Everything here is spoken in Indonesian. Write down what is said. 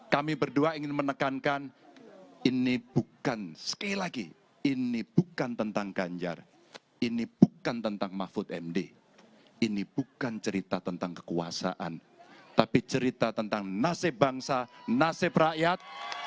kami berdua ingin menekankan ini bukan sekali lagi ini bukan tentang ganjar ini bukan tentang mahfud md ini bukan cerita tentang kekuasaan tapi cerita tentang nasib bangsa nasib rakyat